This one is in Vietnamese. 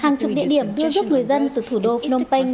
hàng chục địa điểm đưa giúp người dân từ thủ đô phnom penh